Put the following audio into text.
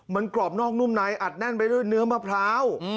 มันกรอบนอกนุ่มในอัดแน่นไปด้วยเนื้อมะพร้าว